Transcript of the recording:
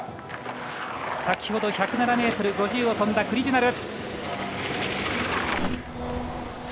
先ほど１０７ｍ５０を飛んだクリジュナル。